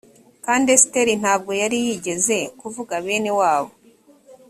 kandi esiteri ntabwo yari yigeze kuvuga bene wabo